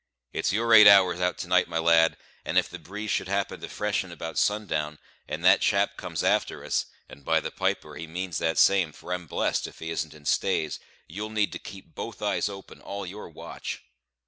It's your eight hours out to night, my lad, and if the breeze should happen to freshen about sundown, and that chap comes after us and, by the piper, he means that same, for I'm blest if he isn't in stays you'll need to keep both eyes open all your watch."